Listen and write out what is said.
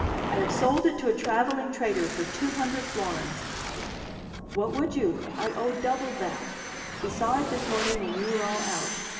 " I have sold it to a traveling trader for two hundred florins. What would you? — I owe double that. He saw it this morning when you were all out.